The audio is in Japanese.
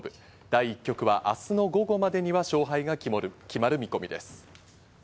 第１局は明日の午後までには勝敗が決まる見込みです。